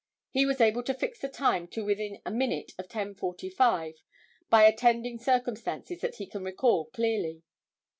He was able to fix the time to within a minute of 10:45 by attending circumstances that he can recall clearly.